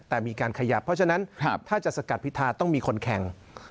แต่มีการขยับเพราะฉะนั้นถ้าจะสกัดพิธาต้องมีคนแข่ง